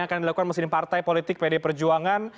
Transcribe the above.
yang akan dilakukan mesin partai politik pd perjuangan